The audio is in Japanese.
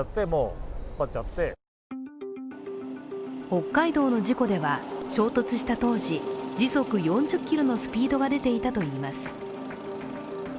北海道の事故では、衝突した当時時速４０キロのスピードが出ていたといいます。